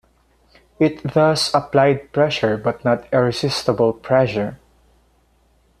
It thus applied pressure but not irresistible pressure.